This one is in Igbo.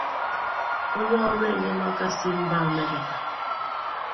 onye ọrụ enyem aka si mba Amerịka.